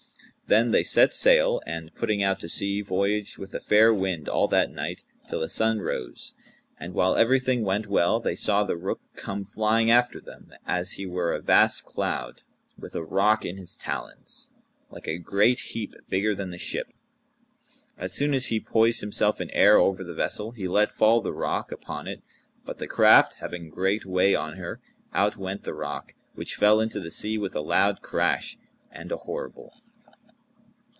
Then they set sail and putting out to sea, voyaged with a fair wind all that night, till the sun rose; and while everything went well, they saw the Rukh come flying after them, as he were a vast cloud, with a rock in his talons, like a great heap bigger than the ship. As soon as he poised himself in air over the vessel, he let fall the rock upon it; but the craft, having great way on her, outwent the rock, which fell into the sea with a loud crash and a horrible.